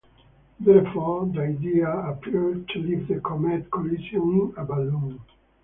Therefore, the idea appeared to leave the comet collision in a balloon.